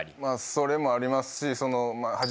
それもありますし。